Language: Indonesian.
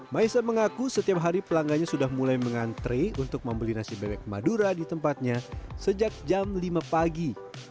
maisa mengaku setiap hari pelanggannya sudah mulai mengantre untuk membeli nasi bebek madura di tempatnya sejak jam lima pagi